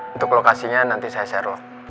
untuk lokasinya nanti saya share loh